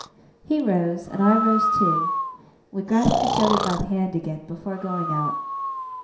He rose, and I rose too; we grasped each other by the hand again, before going out.